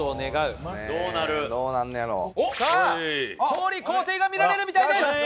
調理工程が見られるみたいです！